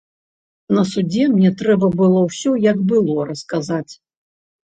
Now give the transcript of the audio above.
На судзе мне трэба было ўсё, як было, расказаць.